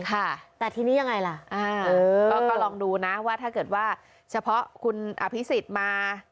ค่ะแต่ทีนี้ยังไงล่ะก็ลองดูนะว่าถ้าเกิดว่าเฉพาะคุณอภิษฎมา